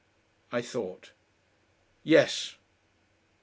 I thought. "Yes."